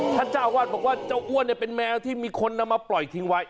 เจ้าวาดบอกว่าเจ้าอ้วนเป็นแมวที่มีคนนำมาปล่อยทิ้งไว้